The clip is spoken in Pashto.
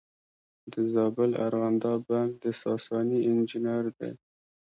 د زابل ارغنداب بند د ساساني انجینر دی